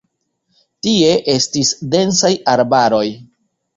Tie estis densaj arbaroj.